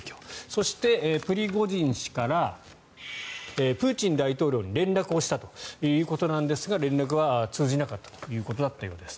そしてプリゴジン氏からプーチン大統領に連絡をしたということなんですが連絡は通じなかったということだったようです。